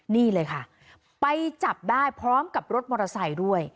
นี่เลยค่ะไปจับได้พร้อมกับรถมอเตอร์ไซค์ด้วย